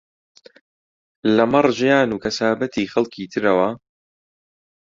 لەمەڕ ژیان و کەسابەتی خەڵکی ترەوە